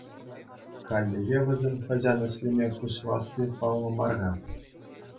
Хальлӗхе вӗсем хӑҫан ӗҫлеме пуҫласси паллӑ мар-ха.